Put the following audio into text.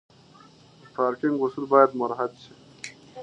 پارکینګ اصول باید مراعت شي.